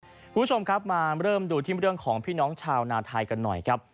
คุณผู้ชมครับมาเริ่มดูที่เรื่องของพี่น้องชาวนาไทยกันหน่อยครับ